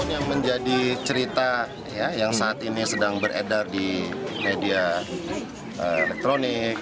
yang menjadi cerita yang saat ini sedang beredar di media elektronik